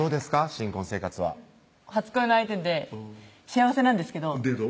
新婚生活は初恋の相手で幸せなんですけど「けど」